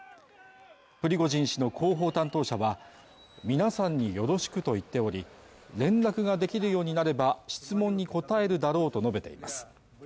プリゴジン氏の広報担当者は、皆さんによろしくと言っており、連絡ができるようになれば、質問に答えるだろうと述べています